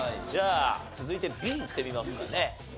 じゃあ続いてＢいってみますかね。